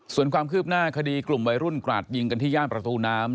ส่วนความคืบหน้าคดีกลุ่มวัยรุ่นกราดยิงกันที่ย่านประตูน้ำ